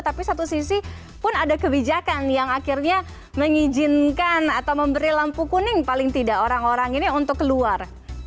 tapi satu sisi pun ada kebijakan yang akhirnya mengizinkan atau memberi lampu kuning paling tidak orang orang ini untuk keluar